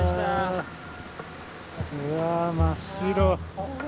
うわ真っ白。